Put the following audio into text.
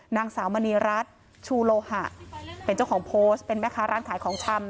นางสาวมณีรัฐชูโลหะเป็นเจ้าของโพสต์เป็นแม่ค้าร้านขายของชำ